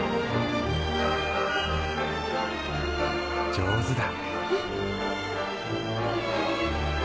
上手だ。